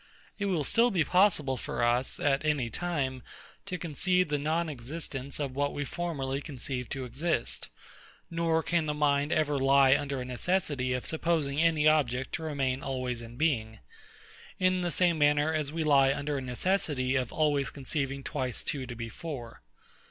It will still be possible for us, at any time, to conceive the non existence of what we formerly conceived to exist; nor can the mind ever lie under a necessity of supposing any object to remain always in being; in the same manner as we lie under a necessity of always conceiving twice two to be four.